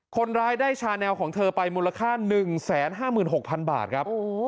คนร้ายได้ชาแนลของเธอไปมูลค่า๑๕๖๐๐๐บาทครับ